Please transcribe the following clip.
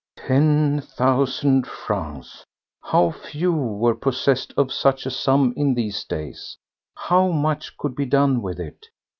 Ten thousand francs! How few were possessed of such a sum in these days! How much could be done with it!